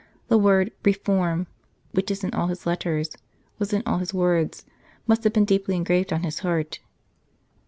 The word " Reform," which is in all his letters, was in all his words, must have been deeply graven on his heart.